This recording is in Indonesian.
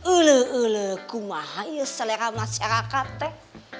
ule ule kumaha ya selera masyarakat teh